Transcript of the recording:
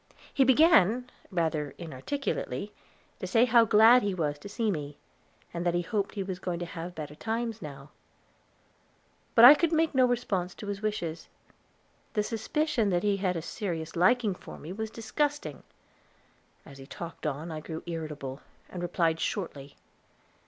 He began, rather inarticulately, to say how glad he was to see me, and that he hoped he was going to have better times now; but I could make no response to his wishes; the suspicion that he had a serious liking for me was disgusting. As he talked on I grew irritable, and replied shortly.